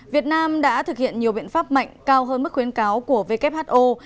việt nam đã thực hiện nhiều biện pháp mạnh cao hơn mức khuyến cáo của who